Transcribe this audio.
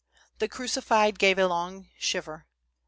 The crucified gave a long shiver.